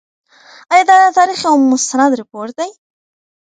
آیا دا د تاریخ یو مستند رپوټ دی؟